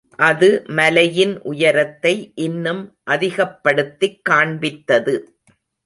அது மலையின் உயரத்தை இன்னும் அதிகப்படுத்திக் காண்பித்தது.